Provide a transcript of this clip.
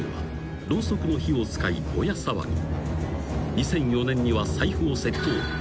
［２００４年には財布を窃盗］